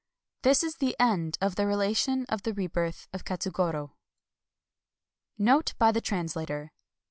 (— This is the End of the Relation of the Me birth of Katsugoro.) 7. — (Note by the Translator.)